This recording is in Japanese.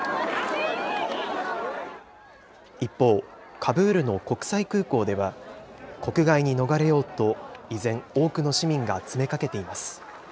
一方、カブールの国際空港では、国外に逃れようと、依然、多くの市民が詰めかけています。